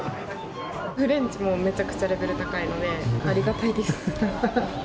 フレンチもめちゃくちゃレベル高いので、ありがたいです。